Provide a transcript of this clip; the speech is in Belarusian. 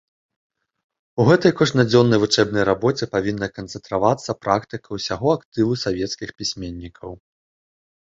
У гэтай кожнадзённай вучэбнай рабоце павінна канцэнтравацца практыка ўсяго актыву савецкіх пісьменнікаў.